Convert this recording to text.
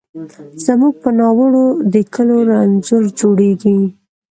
زموږ په ناړو د کلو رنځور جوړیږي